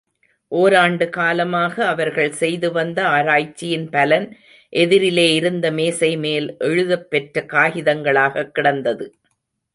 ஓராண்டு காலமாக அவர்கள் செய்து வந்த ஆராய்ச்சியின் பலன் எதிரிலே இருந்த மேசைமேல், எழுதப் பெற்ற காகிதங்களாகக் கிடந்தது.